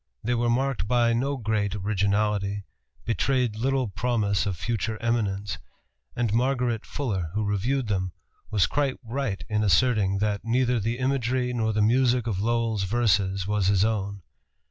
They were marked by no great originality, betrayed little promise of future eminence, and Margaret Fuller, who reviewed them, was quite right in asserting that "neither the imagery nor the music of Lowell's verses was his own."